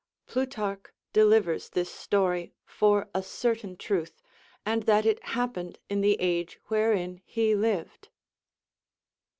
Plutarch delivers this story for a certain truth, and that it happened in the age wherein he lived.